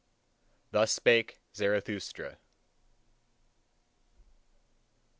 Thus spake Zarathustra.